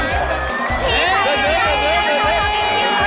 เยี่ยม